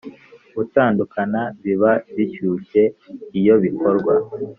gutandukana biba bishyushye iyo bikorwa